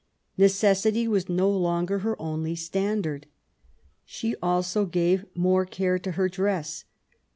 Neces sity was no longer her only standard. She also gave more care to her dress.